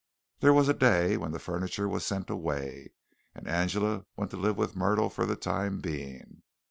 There was a day when the furniture was sent away and Angela went to live with Myrtle for the time being.